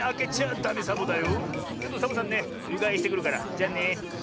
ちょっとサボさんねうがいしてくるからじゃあね。